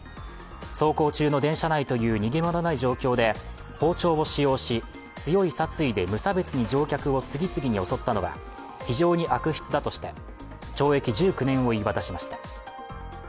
走行中の電車内という逃げ場のない状況で包丁を使用し、強い殺意で無差別に乗客を次々に襲ったのは、非常に悪質だとして懲役１９年を言い渡しました。